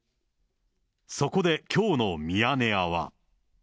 そこできょうのミヤネ屋は。